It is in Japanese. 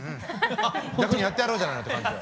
逆にやってやろうじゃないのっていう感じよ。